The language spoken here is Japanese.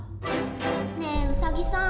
ねえウサギさん。